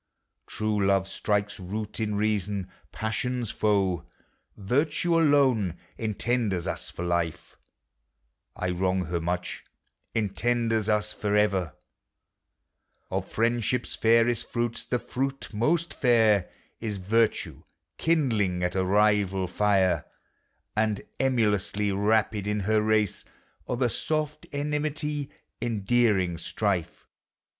True love strikes root in reason; passions foe: Virtue alone entenders us for life: I wrong her much— entenders us for ever: Of Friendship's fairest fruits, the fruit most fair Is virtue kindling at a rival fire, And, emulously, rapid in her race. 0 the soft enmity! endearing strife!